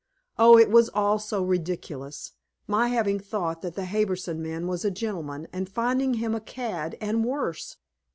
Oh, it was all so ridiculous my having thought that the Harbison man was a gentleman, and finding him a cad, and worse.